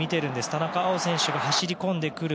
田中碧選手が走り込んでくる。